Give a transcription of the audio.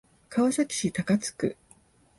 川崎市高津区